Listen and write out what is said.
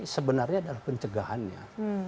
sebenarnya adalah pencegahannya